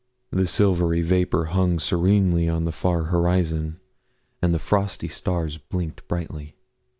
The silvery vapour hung serenely on the far horizon, and the frosty stars blinked brightly.